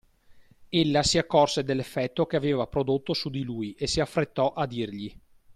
Ella si accorse dell'effetto che aveva prodotto su di lui e si affrettò a dirgli.